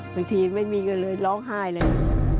ไม่มีก็เลยร้องไห้เลย